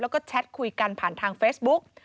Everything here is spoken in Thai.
แล้วก็แชทคุยกันผ่านทางเฟซบุ๊ก